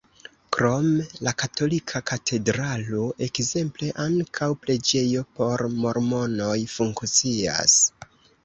Krom la katolika katedralo ekzemple ankaŭ preĝejo por mormonoj funkcias.